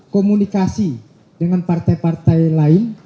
komunikasi dengan partai partai lain